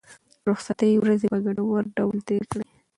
د رخصتۍ ورځې په ګټور ډول تېرې کړئ.